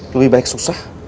lebih baik susah